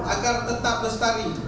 agar tetap bersaing